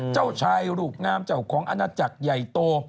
เจ้าชายรูปงามเจ้าของอาณาจักรใหญ่โต